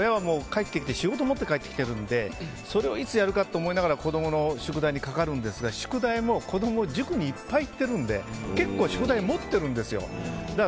だから、親は仕事を持って帰ってきているのでそれをいつやるかと思いながら子供の宿題にかかるんですが宿題も子供が塾にいっぱい行っているんで結構、宿題を持ってるんですよ。